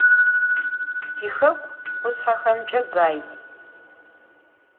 Tixeku khuşshexemç'e bay.